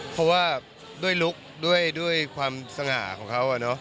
เพราะว่าด้วยลุคด้วยความสง่าของเขา